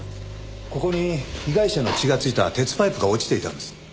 ここに被害者の血がついた鉄パイプが落ちていたんです。